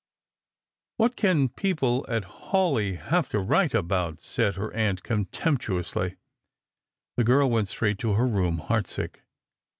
" What can people at Hawleigh have to write about P " said her aunt contemptuously. The girl went straight to her room, heart sick.